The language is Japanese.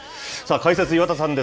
解説、岩田さんです。